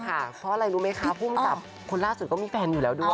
เพราะอะไรรู้ไหมคะภูมิกับคนล่าสุดก็มีแฟนอยู่แล้วด้วย